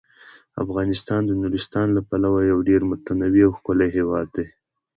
افغانستان د نورستان له پلوه یو ډیر متنوع او ښکلی هیواد دی.